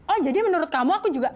oh jadi menurut kamu aku juga